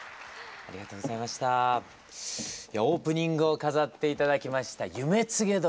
いやオープニングを飾って頂きました「夢告鳥」